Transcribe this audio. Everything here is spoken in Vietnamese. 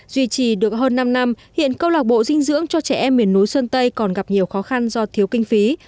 duy trì được hơn năm năm hiện câu lạc bộ dinh dưỡng cho trẻ em miền núi sơn tây còn gặp nhiều khó khăn do thiếu kinh phí